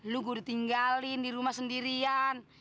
lu gua udah tinggalin di rumah sendirian